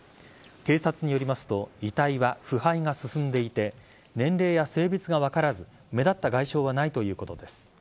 警察によりますと遺体は腐敗が進んでいて年齢や性別が分からず目立った外傷はないということです。